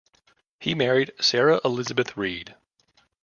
He married Sarah Elizabeth Reed.